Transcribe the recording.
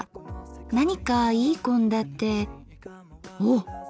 何かいい献立おっ！